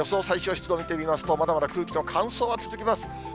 最小湿度見てみますと、まだまだ空気の乾燥は続きます。